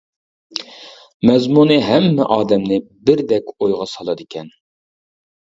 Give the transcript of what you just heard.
مەزمۇنى ھەممە ئادەمنى بىردەك ئويغا سالىدىكەن.